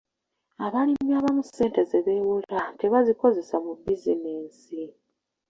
Abalimi abamu ssente ze beewola tebazikozesa mu bizinensi.